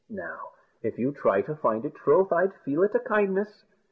Now, if you try to find it, troth I'd feel it a kindness."